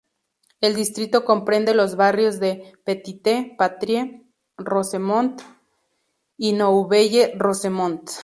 El distrito comprende los barrios de Petite-Patrie, Rosemont y Nouvelle Rosemont.